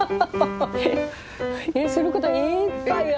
することいっぱいあって。